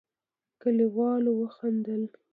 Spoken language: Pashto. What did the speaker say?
کليوالو وخندل.